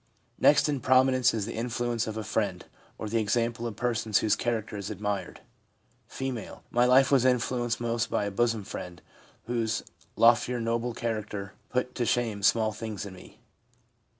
Next in prominence is the influence of a friend, or the example of persons whose character is admired. F. ' My life was influenced most by a bosom friend, whose lofty, noble character put to shame small things in me.'